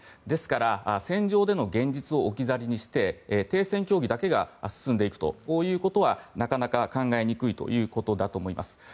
ですから、戦場での現実を置き去りにして停戦協議だけが進んでいくということはなかなか考えにくいということだと思います。